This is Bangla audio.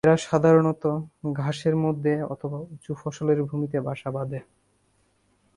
এরা সাধারণত ঘাসের মধ্যে অথবা উচু ফসলের ভূমিতে বাসা বাঁধে।